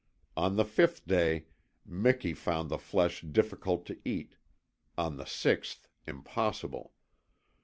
On the fifth day Miki found the flesh difficult to eat; on the sixth, impossible.